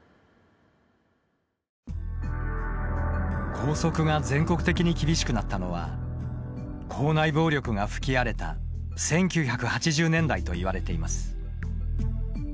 校則が全国的に厳しくなったのは校内暴力が吹き荒れた１９８０年代といわれています。